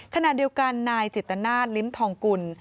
ขณะเดียวกันนายจิตนาศลิ้มทองกุล